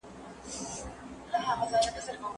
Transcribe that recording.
د مطالعې غټه ګټه څه ده؟